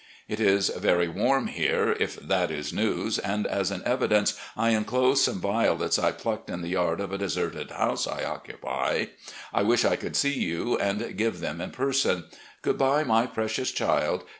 " It is very warm here, if that is news, and as an evi dence I inclose some violets I plucked in the yard of a deserted house I occupy. I wish I could see you and give them in person. ... Good bye, my precious child.